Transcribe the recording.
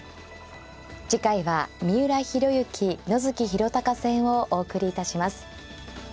次回は三浦弘行野月浩貴戦をお送りいたします。